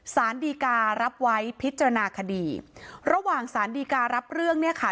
สารดีการับไว้พิจารณาคดีระหว่างสารดีการับเรื่องเนี่ยค่ะ